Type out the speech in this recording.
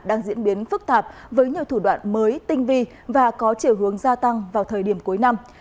đang diễn biến phức tạp với nhiều thủ đoạn mới tinh vi và có chiều hướng gia tăng vào thời điểm cuối năm